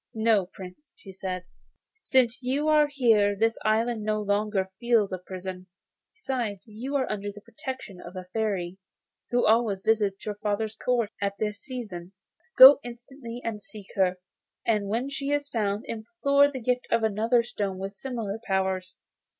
'No, Prince,' she said; 'since you are here this island no longer feels a prison. Besides, you are under the protection of a Fairy, who always visits your father's court at this season. Go instantly and seek her, and when she is found implore the gift of another stone with similar powers.